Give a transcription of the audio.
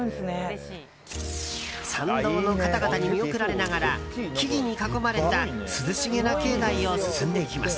参道の方々に見送られながら木々に囲まれた涼しげな境内を進んでいきます。